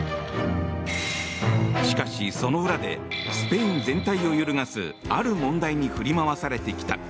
しかし、その裏でスペイン全体を揺るがすある問題に振り回されてきた。